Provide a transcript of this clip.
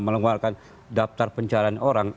melenguarkan daftar pencarian orang